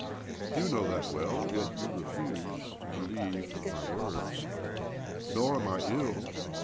You know that well, yet you refuse to believe my word's. Nor ami I ill.